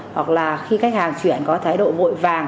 hoặc là khi khách hàng chuyển có thái độ vội vàng